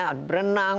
ada yang berenang